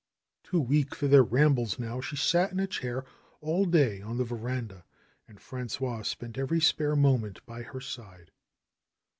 Too weak for their rambles now, she sat in a chair all day on the veranda and Frangois spent every spare moment by her side.